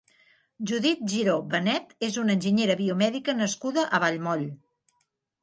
Judit Giró Benet és una enginyera biomèdica nascuda a Vallmoll.